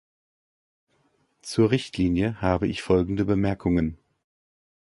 Zur Richtlinie habe ich folgende Bemerkungen.